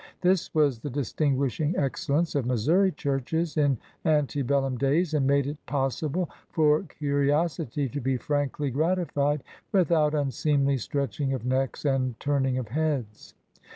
This was the distin guishing excellence of Missouri churches in ante bellum days, and made it possible for curiosity to be frankly gratified without unseemly stretching of necks and turn ing of heads.